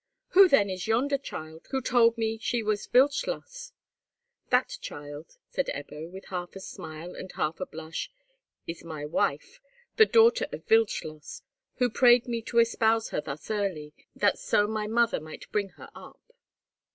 "Who then is yonder child, who told me she was Wildschloss?" "That child," said Ebbo, with half a smile and half a blush, "is my wife, the daughter of Wildschloss, who prayed me to espouse her thus early, that so my mother might bring her up."